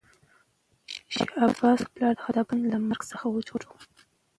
شاه عباس خپل پلار خدابنده له مرګ څخه وژغوره.